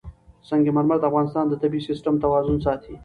سنگ مرمر د افغانستان د طبعي سیسټم توازن ساتي.